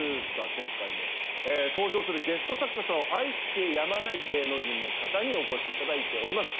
今回も登場するゲスト作家さんを愛してやまない芸能人の方にお越しいただいております。